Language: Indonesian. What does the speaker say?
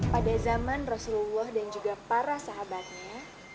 pada zaman rasulullah dan juga para sahabatnya